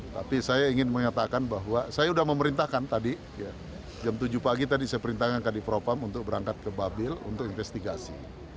tapi saya ingin mengatakan bahwa saya sudah memerintahkan tadi jam tujuh pagi tadi saya perintahkan kadifropam untuk berangkat ke babil untuk investigasi